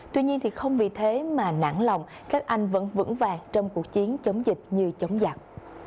tuy nhiên không vì thế mà nản lòng các anh vẫn vững vàng trong cuộc chiến chống dịch như chống giặc